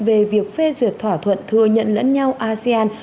về việc phê duyệt thỏa thuận thừa nhận lẫn nhau asean